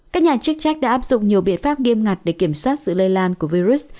các nhà chức trách đã áp dụng nhiều biện pháp nghiêm ngặt để kiểm soát sự lây lan của virus